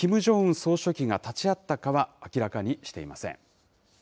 総書記が立ち会ったかは明らかにしていません。